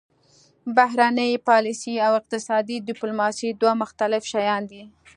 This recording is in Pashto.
بهرنۍ پالیسي او اقتصادي ډیپلوماسي دوه مختلف شیان دي